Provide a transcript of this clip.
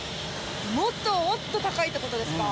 もっともっと高いって事ですか？